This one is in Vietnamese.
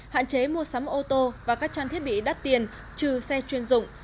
hạn chế mua sắm ô tô và các trang thiết bị đắt tiền trừ xe chuyên dụng